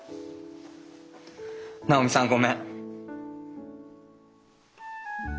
直美さんごめん。